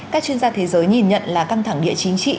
các chuyên gia thế giới nhìn nhận là căng thẳng địa chính trị